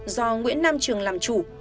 do nguyễn nam trường làm chủ